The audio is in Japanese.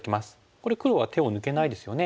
これ黒は手を抜けないですよね。